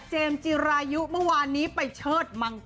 เจมส์จิรายุมันวานนี้ไปเชิดมังกร